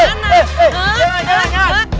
eh eh eh eh jangan jangan jangan